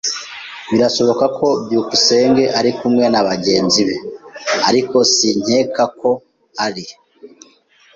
Birashoboka ko byukusenge ari kumwe nabagenzi be, ariko sinkeka ko ari.